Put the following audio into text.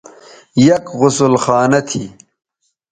یک غسل خانہ تھی